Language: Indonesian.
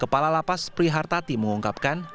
kepala lepas pri hartati mengungkapkan